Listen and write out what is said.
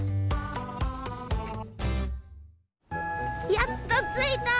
やっとついた。